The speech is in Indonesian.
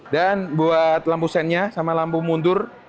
dan buat lampu sendnya sama lampu mundur